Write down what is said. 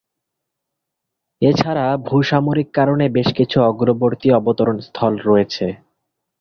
এছাড়া ভূ-সামরিক কারণে বেশ কিছু অগ্রবর্তী অবতরণ স্থল রয়েছে।